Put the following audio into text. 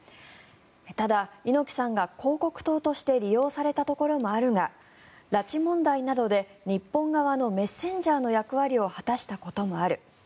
ただ、猪木さんが広告塔として利用されたところもあるが拉致問題などで日本側のメッセンジャーの役割を果たしたこともある。